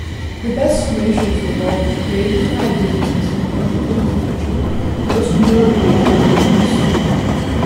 The best solutions involved creating hybrid units of mounted infantry, most notably dragoons.